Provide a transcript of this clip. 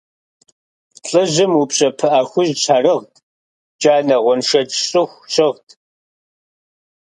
ЛӀыжьым упщӀэ пыӀэ хужь щхьэрыгът, джанэ-гъуэншэдж щӀыху щыгът.